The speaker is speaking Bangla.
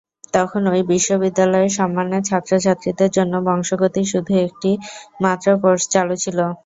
তখন ঐ বিশ্ববিদ্যালয়ে সম্মানের ছাত্রছাত্রীদের জন্য বংশগতির শুধু একটি মাত্র কোর্স চালু ছিল।